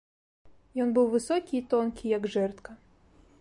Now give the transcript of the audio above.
Ён быў высокі і тонкі, як жэрдка.